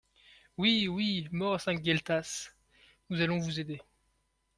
Oui, oui ! mort à Saint-Gueltas ! Nous allons vous aider.